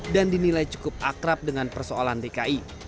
dan dinilai cukup akrab dengan persoalan dki